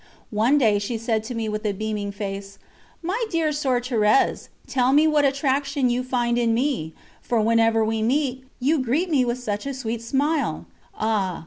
One day she said to me with a beaming face: "My dear Soeur Thérèse, tell me what attraction you find in me, for whenever we meet, you greet me with such a sweet smile." Ah!